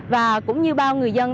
và cũng như bao người dân